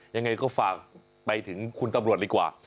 ยังไงก็ฝากไปถึงคุณตำรวจดีกว่า